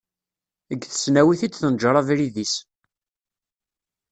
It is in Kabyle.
Deg tesnawit i d-tenǧer abrid-is.